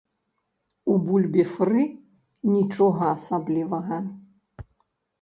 У бульбе-фры нічога асаблівага.